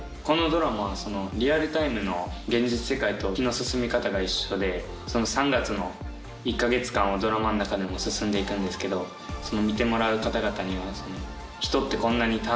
このドラマはリアルタイムの現実世界と時の進み方が一緒で３月の１か月間をドラマの中でも進んで行くんですけど見てもらう方々に人ってこんなに。